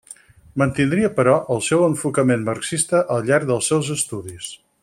Mantindria però el seu enfocament marxista al llarg dels seus estudis.